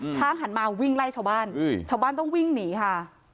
หันมาวิ่งไล่ชาวบ้านชาวบ้านต้องวิ่งหนีค่ะ